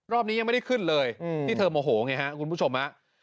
นี้ยังไม่ได้ขึ้นเลยที่เธอโมโหไงฮะคุณผู้ชมฮะ